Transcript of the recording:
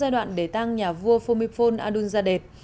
để tăng nhà vua phomiphol adunzadej